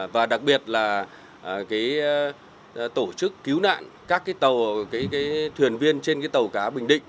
và đặc biệt là tổ chức cứu nạn các thuyền viên trên tàu cá bình định